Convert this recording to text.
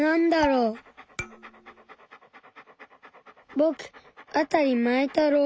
ぼくあたりまえたろう。